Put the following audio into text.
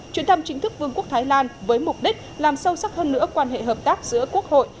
chuyến thăm chính thức vương quốc thái lan với mục đích làm sâu sắc hơn nữa quan hệ hợp tác giữa quốc hội